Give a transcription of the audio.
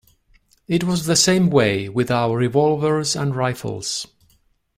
It was the same way with our revolvers and rifles.